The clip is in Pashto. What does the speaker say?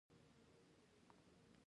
هغه انسان یو شان نه ګڼو.